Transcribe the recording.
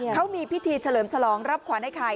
เขามีพิธีเฉลิมฉลองรับขวัญไอ้ไข่